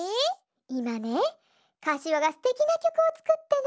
いまねかしわがすてきなきょくをつくってね。